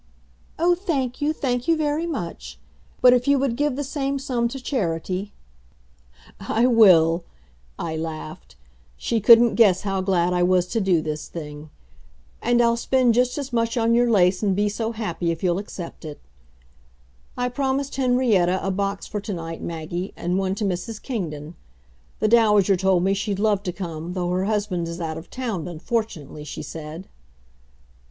"Oh, thank you, thank you very much; but if you would give the same sum to charity " "I will," I laughed. She couldn't guess how glad I was to do this thing. "And I'll spend just as much on your lace and be so happy if you'll accept it." I promised Henrietta a box for to night, Maggie, and one to Mrs. Kingdon. The Dowager told me she'd love to come, though her husband is out of town, unfortunately, she said.